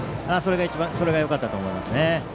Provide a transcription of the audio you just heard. それがよかったと思いますね。